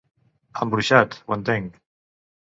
Embruixat, ho entenc.